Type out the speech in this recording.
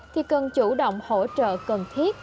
thì cần chủ động hỗ trợ cần thiết